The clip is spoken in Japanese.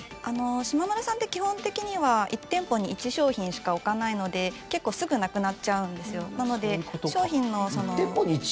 しまむらさんって基本的には１店舗に１商品しか置かないので結構すぐなくなっちゃうんですよ。